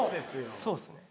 そうですね。